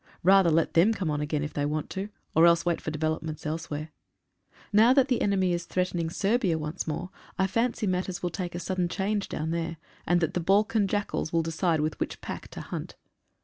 Rather let them come on again if they want to, or else wait for developments elsewhere. Now that the enemy is threatening Serbia once more I fancy matters will take a sudden change down there, and that the Balkan jackalls will decide with which pack to hunt.